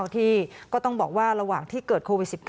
ที่ก็ต้องบอกว่าระหว่างที่เกิดโควิด๑๙